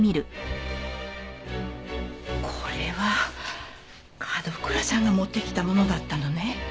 これは角倉さんが持ってきたものだったのね。